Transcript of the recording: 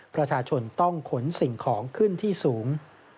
ประชาชนต้องขนสิ่งของขึ้นที่สูง